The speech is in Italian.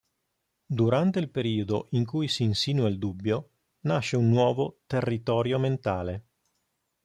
Durante il periodo in cui si insinua il dubbio, nasce un nuovo "territorio mentale".